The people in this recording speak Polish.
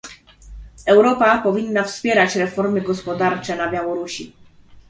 Europa powinna wspierać reformy gospodarcze na Białorusi